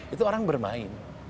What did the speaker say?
itu orang bermain